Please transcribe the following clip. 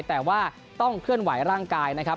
แต่ว่าต้องเคลื่อนไหวร่างกายนะครับ